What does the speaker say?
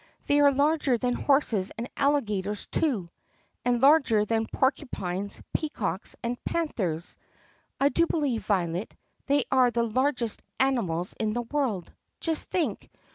"They are larger than horses and alligators too. And larger than por cupines, peacocks, and panthers. I do believe, Violet, they are the largest animals in the world! Just think!